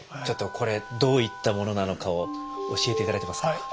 ちょっとこれどういったものなのかを教えて頂けますか。